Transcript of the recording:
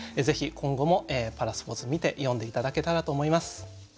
ぜひ今後もパラスポーツ見て詠んで頂けたらと思います。